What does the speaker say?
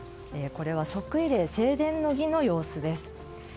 これは即位礼正殿の儀の様子です。